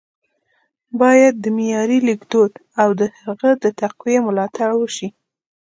ـ بايد د معیاري لیکدود او د هغه د تقويې ملاتړ وشي